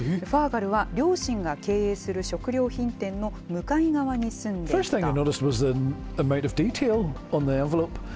ファーガルは両親が経営する食料品店の向かい側に住んでいた。